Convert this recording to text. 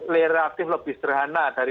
lebih serhana dari